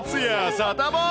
サタボー。